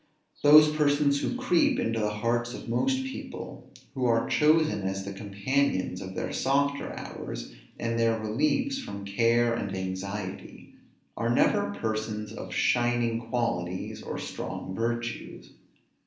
Those persons who creep into the hearts of most people, who are chosen as the companions of their softer hours, and their reliefs from care and anxiety, are never persons of shining qualities or strong virtues.